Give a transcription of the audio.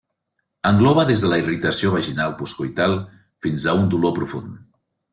Engloba des de la irritació vaginal postcoital fins a un dolor profund.